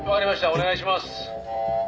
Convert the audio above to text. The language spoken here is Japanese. お願いします」